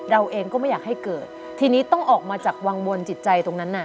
เราเองก็ไม่อยากให้เกิดทีนี้ต้องออกมาจากวังวนจิตใจตรงนั้นน่ะ